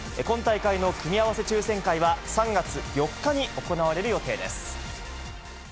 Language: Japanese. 今大会の組み合わせ抽選会は、３月４日に行われる予定です。